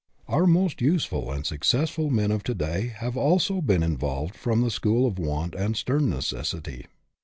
Our most useful and successful men of to day have, also, been evolved from the school of want and stern necessity.